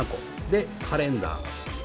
でカレンダー。